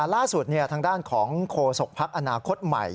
ล่าสุดทางด้านของโคศกภักดิ์อนาคตใหม่